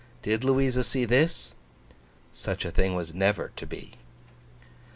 Did Louisa see this? Such a thing was never to be.